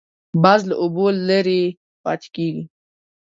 باز له اوبو لرې پاتې کېږي